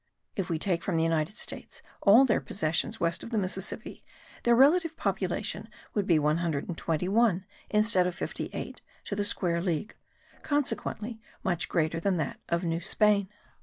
If we take from the United States all their possessions west of the Mississippi, their relative population would be 121 instead of 58 to the square league; consequently much greater than that of New Spain.